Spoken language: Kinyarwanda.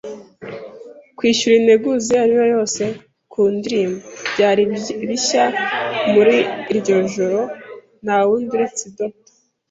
kwishyura integuza iyo ari yo yose ku ndirimbo; byari bishya, muri iryo joro, ntawundi uretse Dr.